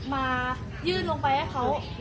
มายื่นลงไปให้เขา